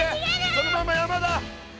そのまま山だ！